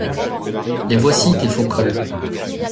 Les voici, tes faux cols !